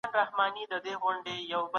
تخیل د انسان د ذهن الوت ته وایي.